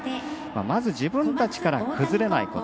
まず自分たちから崩れないこと。